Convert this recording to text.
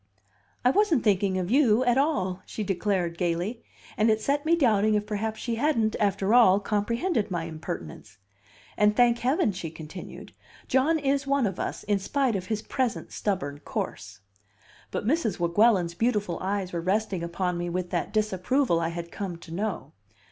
"I wasn't thinking of you at all!" she declared gayly; and it set me doubting if perhaps she hadn't, after all, comprehended my impertinence. "And, thank Heaven!" she continued, "John is one of us, in spite of his present stubborn course." But Mrs. Weguelin's beautiful eyes were resting upon me with that disapproval I had come to know.